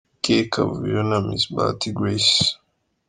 K Kavuyo na Miss Bahati Grace.